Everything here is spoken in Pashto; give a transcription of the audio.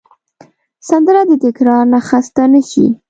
سندره د تکرار نه خسته نه شي